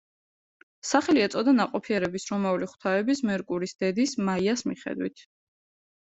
სახელი ეწოდა ნაყოფიერების რომაული ღვთაების, მერკურის დედის, მაიას მიხედვით.